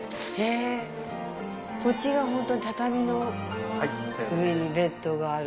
こっちが畳の上にベッドがある。